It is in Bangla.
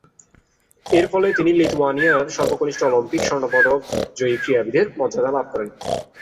এরফলে তিনি লিথুয়ানিয়ার সর্বকনিষ্ঠ অলিম্পিক স্বর্ণপদক জয়ী ক্রীড়াবিদের মর্যাদা লাভ করেন।